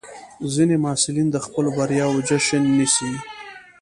ځینې محصلین د خپلو بریاوو جشن نیسي.